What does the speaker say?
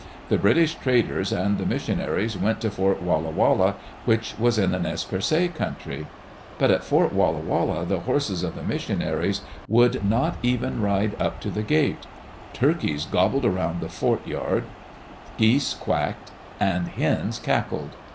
The British traders and the missionaries went to Fort Walla Walla, which was in the Nez Perces country. But at Fort Walla Walla the horses of the missionaries would not even ride up to the gatel Turkeys gobbled around the fort yard, geese quacked, and hens cackled.